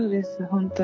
本当に。